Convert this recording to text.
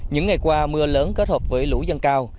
những ngày qua mưa lớn kết hợp với lũ dân cao